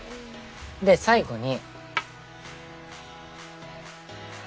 で最後に。